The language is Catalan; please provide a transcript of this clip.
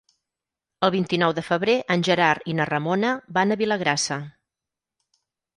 El vint-i-nou de febrer en Gerard i na Ramona van a Vilagrassa.